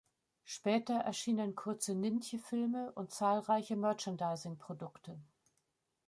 Später erschienen kurze Nijntje-Filme und zahlreiche Merchandising-Produkte.